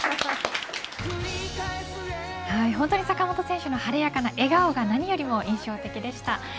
本当に坂本選手の晴れやかな笑顔が何よりも印象的でした。